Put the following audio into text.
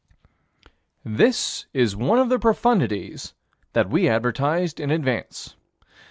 This is one of the profundities that we advertised in advance.